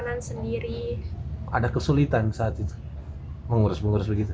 alumni siswi sekolah menengah kejuruan negeri tujuh makassar ini bahkan meraih peringkat pertama